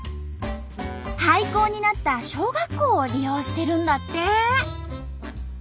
廃校になった小学校を利用してるんだって。